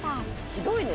「ひどいね！